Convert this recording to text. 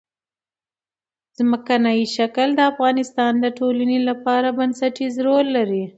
ځمکنی شکل د افغانستان د ټولنې لپاره بنسټيز رول لري.